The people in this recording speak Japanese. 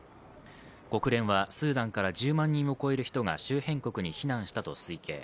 国連はスーダンから１０万人を超える人が周辺国から避難したと推計。